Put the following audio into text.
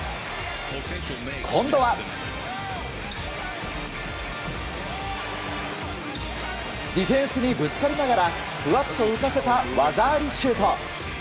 今度はディフェンスにぶつかりながらふわっと浮かせた技ありシュート。